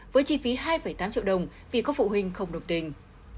với chi phí hai tám triệu đồng vì có phụ huynh không đồng tình